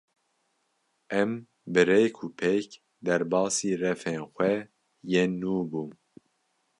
Em bi rêk û pêk derbasî refên xwe yên nû bûn.